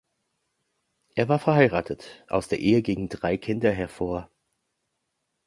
Er war verheiratet, aus der Ehe gingen drei Kinder hervor.